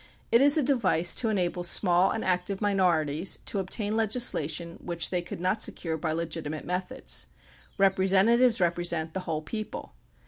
It is a device to enable small and active minorities to obtain legislation which they could not secure by legitimate methods. Representa tives represent the whole people.